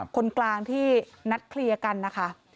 คนกลางที่นัดเคลียร์กันนะคะ